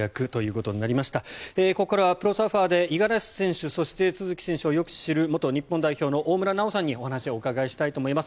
ここからは、プロサーファーで五十嵐選手、都筑選手をよく知る元日本代表の大村奈央さんにお話を伺いたいと思います。